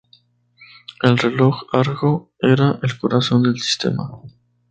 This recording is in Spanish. El reloj Argo era el corazón del sistema.